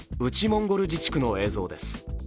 モンゴル自治区の映像です。